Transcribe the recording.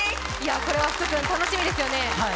これは福君、楽しみですよね